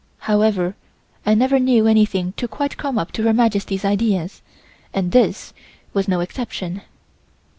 However, I never knew anything to quite come up to Her Majesty's ideas, and this was no exception.